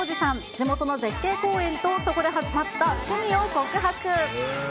地元の絶景公園と、そこでハマった趣味を告白。